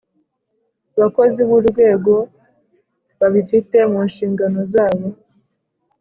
Bakozi B Urwego Babifite Mu Nshingano Zabo